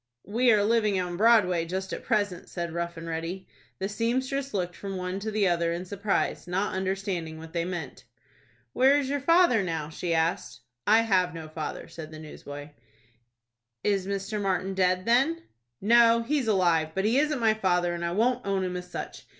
"We are living on Broadway just at present," said Rough and Ready. The seamstress looked from one to the other in surprise, not understanding what they meant. "Where is your father now?" she asked. "I have no father," said the newsboy. "Is Mr. Martin dead, then?" "No, he's alive, but he isn't my father, and I won't own him as such.